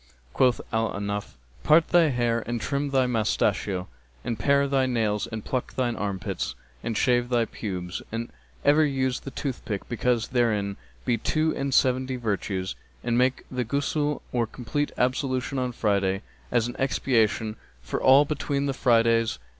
Quoth Al Ahnaf, 'Part thy hair and trim thy moustachio and pare thy nails and pluck thine armpits and shave thy pubes[FN#268] and ever use the toothstick because therein be two and seventy virtues, and make the Ghusl or complete ablution on Friday, as an expiation for all between the Fridays.'